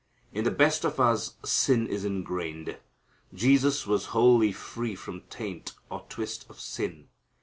In the best of us sin is ingrained. Jesus was wholly free from taint or twist of sin.